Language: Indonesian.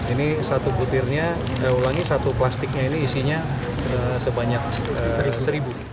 ini satu butirnya saya ulangi satu plastiknya ini isinya sebanyak seribu